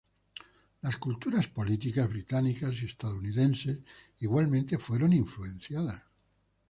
Las culturas políticas británicas y estadounidenses igualmente fueron influenciadas.